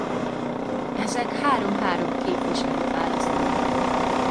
Ezek három-három képviselőt választanak.